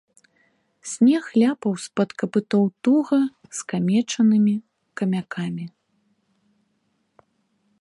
Снег ляпаў з-пад капытоў туга скамечанымі камякамі.